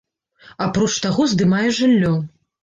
Апроч таго, здымае жыллё.